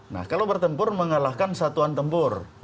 nah kalau bertempur mengalahkan satuan tempur